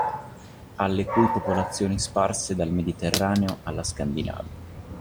Alle cui popolazioni sparse dal Mediterraneo alla Scandinavia.